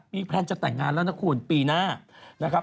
มีแพลนจะแต่งงานแล้วนะคุณปีหน้านะครับ